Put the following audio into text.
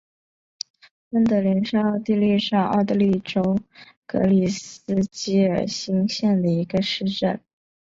温德灵是奥地利上奥地利州格里斯基尔兴县的一个市镇。